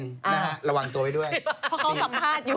นะฮะระวังโต๊ยด้วย